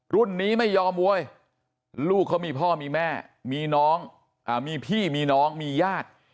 รุ่นนี้ไม่ยอมโวยลูกเขามีพ่อมีแม่มีน้องมีพี่มีน้องมีญาติ